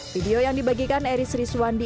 video yang dibagikan eris rizwandi